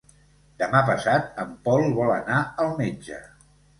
Demà passat en Pol vol anar al metge.